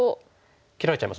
切られちゃいますもんね。